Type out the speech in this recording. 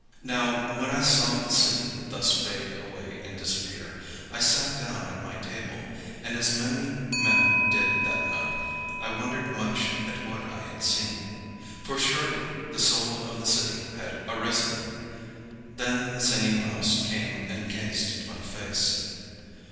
Now when I saw the city thus fade away and disappear, I sat down at my table, and, as many men did that night, I wondered much at what I had seen. For surely the soul of the city had arisen. Then the Singing Mouse came and gazed into my face.